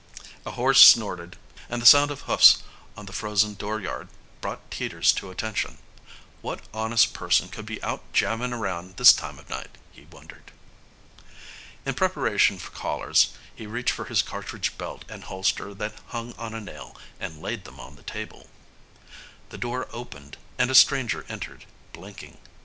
A horse snorted, and the sound of hoofs on the frozen dooryard brought Teeters to attention. What honest person could be out jamming around this time of night, he wondered. In preparation for callers he reached for his cartridge belt and holster that hung on a nail and laid them on the table. The door opened and a stranger entered, blinking.